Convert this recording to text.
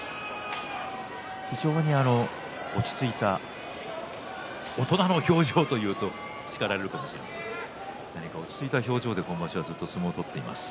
非常に落ち着いた大人の表情というと叱られるかもしれませんけど今場所は落ち着いた表情で相撲を取っています。